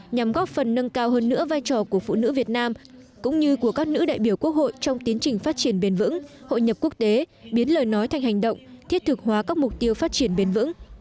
nhằm góp phần nâng cao hơn nữa vai trò của phụ nữ việt nam cũng như của các nữ đại biểu quốc hội trong tiến trình phát triển bền vững hội nhập quốc tế biến lời nói thành hành động thiết thực hóa các mục tiêu phát triển bền vững